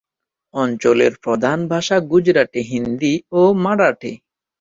অঞ্চলের প্রধান ভাষা গুজরাটি, হিন্দি ও মারাঠি।